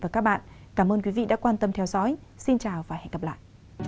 cảm ơn đã quan tâm theo dõi xin chào và hẹn gặp lại